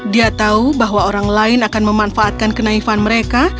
dia tahu bahwa orang lain akan memanfaatkan kenaifan mereka